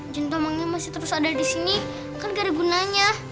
jin tamannya masih terus ada di sini kan gak ada gunanya